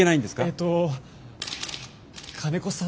えっと金子さん